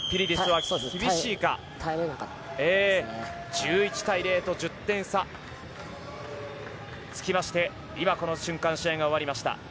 １１対０と１０点差がつきまして今、この瞬間試合が終わりました。